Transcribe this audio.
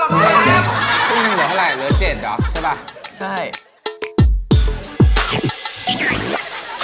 ครึ่งหนึ่งเหลือเท่าไหร่เหลือเจนเหรอใช่ป่ะ